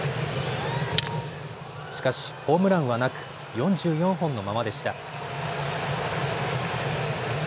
しかしホームランはなく４４本のままでした。